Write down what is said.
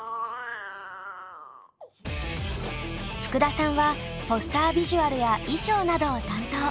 ふくださんはポスタービジュアルや衣装などを担当。